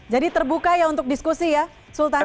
jadi terbuka ya untuk diskusi ya sultan